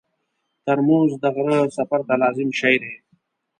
ترموز د غره سفر ته لازم شی دی.